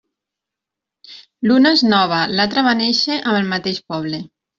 L'una és nova, l'altra va néixer amb el mateix poble.